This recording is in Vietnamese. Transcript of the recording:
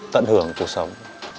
tận hưởng cuộc sống